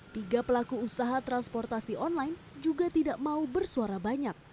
tiga pelaku usaha transportasi online juga tidak mau bersuara banyak